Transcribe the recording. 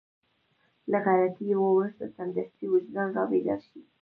له غلطي وروسته سمدستي وجدان رابيدار شي.